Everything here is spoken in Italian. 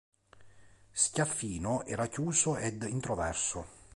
Schiaffino era chiuso ed introverso.